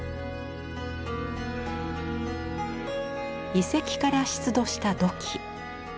遺跡から出土した土器。